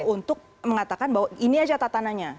untuk mengatakan bahwa ini aja tatanannya